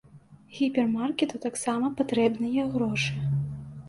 Гіпермаркету таксама патрэбныя грошы.